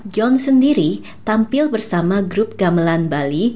john sendiri tampil bersama grup gamelan bali